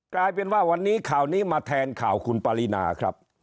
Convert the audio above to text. กลายเป็นว่าวันนี้ข่าวนี้มาแทนข่าวคุณปรินาครับ